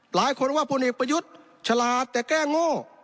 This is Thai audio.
หลายคนว่าพลเอกประยุทธ์ฉลาดแต่แก้โง่